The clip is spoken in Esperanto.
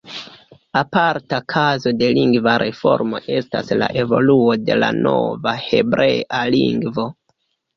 Aparta kazo de lingva reformo estas la evoluo de la nova hebrea lingvo.